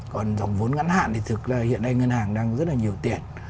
còn dòng vốn ngắn hạn thì thực ra hiện nay ngân hàng đang rất là nhiều tiền